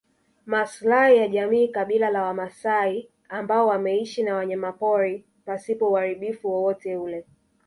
Maslahi ya jamii kabila la wamaasai ambao wameishi na wanyamapori pasipo uharibifu wowote ule